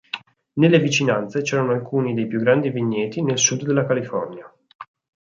Nelle vicinanze c'erano alcuni dei più grandi vigneti nel sud della California.